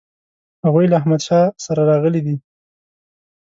هغوی له احمدشاه سره راغلي دي.